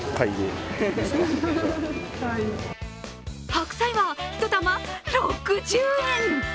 白菜は１玉６０円！